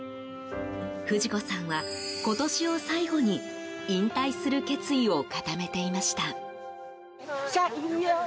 不二子さんは、今年を最後に引退する決意を固めていました。